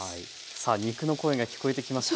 さあ肉の声が聞こえてきました？